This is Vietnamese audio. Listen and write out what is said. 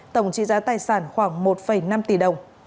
tổng trị giá tài sản khoảng một năm tỷ đồng